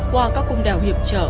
qua các cung đèo hiệp trở